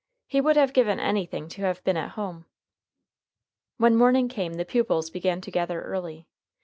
He would have given anything to have been at home. When morning came, the pupils began to gather early.